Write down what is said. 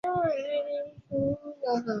唐懿宗最初任其子张简会为留后。